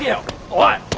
おい！